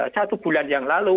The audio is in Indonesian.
satu bulan yang lalu